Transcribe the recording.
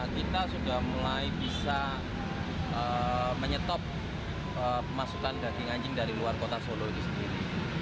kita sudah mulai bisa menyetop pemasukan daging anjing dari luar kota solo itu sendiri